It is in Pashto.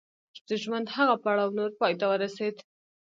د ژوند هغه پړاو نور پای ته ورسېد.